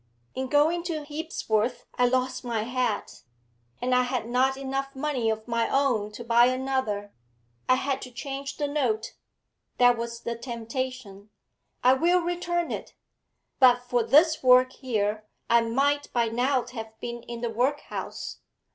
In going to Hebsworth I lost my hat, and I had not enough money of my own to buy another; I had to change the note that was the temptation I will return it. But for this work here, I might by now have been in the workhouse.